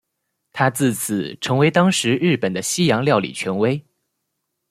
他自此成为当时日本的西洋料理权威。